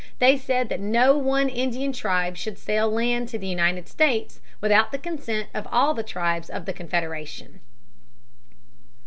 They said that no one Indian tribe should sell land to the United States without the consent of all the tribes of the Confederation.